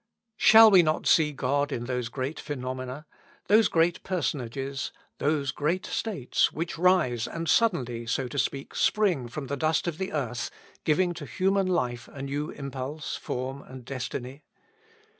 Shall we not see God in those great phenomena, those great personages, those great states, which rise, and suddenly, so to speak, spring from the dust of the earth, giving to human life a new impulse, form, and destiny?